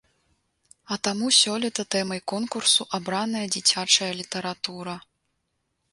А таму сёлета тэмай конкурсу абраная дзіцячая літаратура.